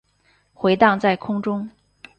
回荡在空中